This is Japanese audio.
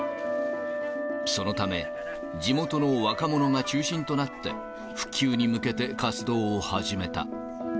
そのため、地元の若者が中心となって、復旧に向けて活動を始めた。